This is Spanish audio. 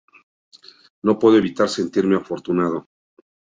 No puedo evitar sentirme afortunado.